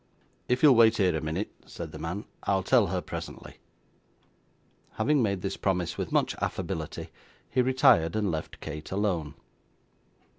'If you'll wait here a minute,' said the man, 'I'll tell her presently.' Having made this promise with much affability, he retired and left Kate alone.